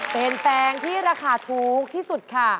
เป็นแปลงที่ราคาถูกที่สุดค่ะ